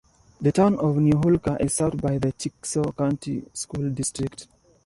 The Town of New Houlka is served by the Chickasaw County School District.